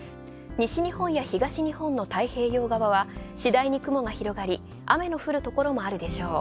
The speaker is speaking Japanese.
西日本や東日本の太平洋側は、しだいに雲が広がり雨の降るところもあるでしょう。